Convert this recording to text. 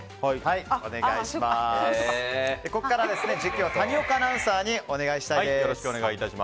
ここから実況は谷岡アナウンサーにお願いしたいです。